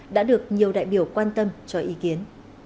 đã được nhiều đại biểu quan tâm cho ý kiến